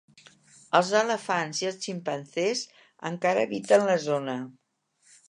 Els elefants i els ximpanzés encara habiten la zona.